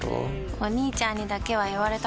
お兄ちゃんにだけは言われたくないし。